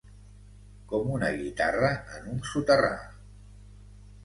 Com una guitarra en un soterrar.